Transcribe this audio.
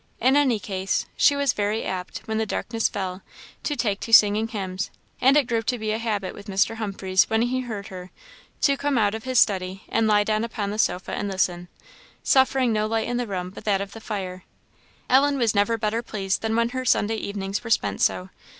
In any case, she was very apt, when the darkness fell, to take to singing hymns; and it grew to be a habit with Mr. Humphreys, when he heard her, to come out of his study and lie down upon the sofa and listen, suffering no light in the room but that of the fire. Ellen never was better pleased than when her Sunday evenings were spent so.